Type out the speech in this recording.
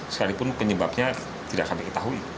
sekalipun penyebabnya tidak akan diketahui